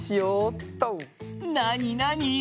なになに？